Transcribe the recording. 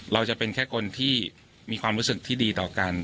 จะเป็นแค่คนที่มีความรู้สึกที่ดีต่อกัน